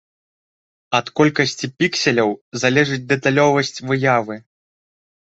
Ад колькасці пікселяў залежыць дэталёвасць выявы.